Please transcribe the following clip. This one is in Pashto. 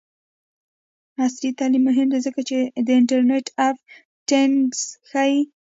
عصري تعلیم مهم دی ځکه چې د انټرنټ آف تینګز ښيي.